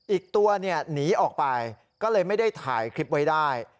อีกตัวหนีออกไปก็เลยไม่ได้ถ่ายคลิปไว้ได้